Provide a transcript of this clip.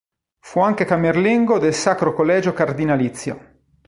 Fu anche camerlengo del Sacro Collegio Cardinalizio.